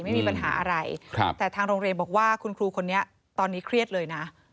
ไม่มีปัญหาอะไรครับแต่ทางโรงเรียนบอกว่าคุณครูคนนี้ตอนนี้เครียดเลยนะ